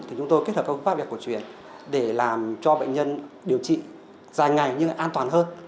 thì chúng tôi kết hợp các công pháp việc cổ truyền để làm cho bệnh nhân điều trị dài ngày nhưng an toàn hơn